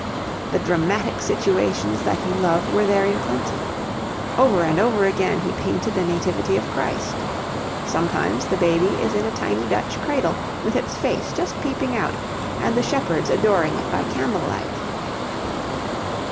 The dramatic situations that he loved were there in plenty. Over and over again he painted the Nativity of Christ. Sometimes the Baby is in a tiny Dutch cradle with its face just peeping out, and the shepherds adoring it by candle light.